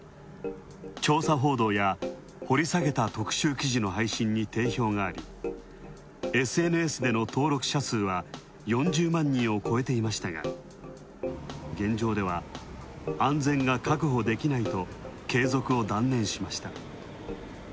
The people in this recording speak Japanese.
調査報道や、掘り下げた特集記事の配信に定評があり、ＳＮＳでの登録者数は４０万人を超えていましたが、現状では安全が確保できないと継続を断念しました。